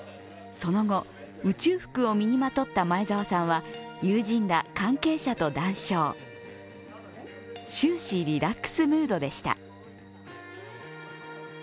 その後、宇宙服を身にまとった前澤さんは友人ら関係者と談笑、終始リラックスムードでした。